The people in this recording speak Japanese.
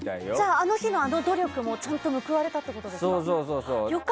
あの日のあの努力もちゃんと報われたということですか。